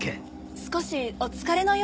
少しお疲れのようですね。